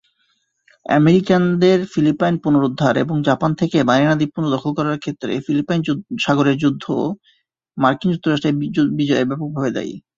আমেরিকানদের Philippine পুনরুদ্ধার এবং Japan থেকে মারিয়ানা দ্বীপপুঞ্জ দখল করার ক্ষেত্রে ফিলিপাইন সাগরের যুদ্ধে মার্কিন যুক্তরাষ্ট্রের বিজয় ব্যাপকভাবে দায়ী।